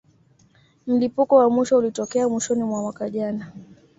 Mlipuko wa mwisho ulitokea mwishoni mwa mwaka jana